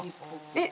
えっ。